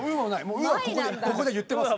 「う」はここで言ってます